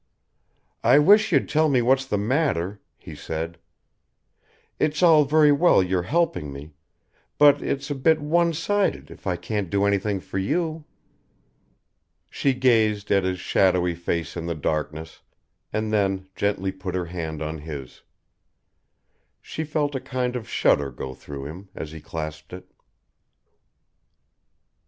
"I wish you'd tell me what's the matter," he said. "It's all very well your helping me, but it's a bit one sided if I can't do anything for you." She gazed at his shadowy face in the darkness, and then gently put her hand on his. She felt a kind of shudder go through him as he clasped it.